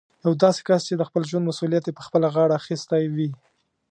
يو داسې کس چې د خپل ژوند مسوليت يې په خپله غاړه اخيستی وي.